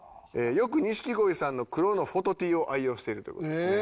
よく錦鯉さんの黒のフォトＴを愛用しているという事ですね。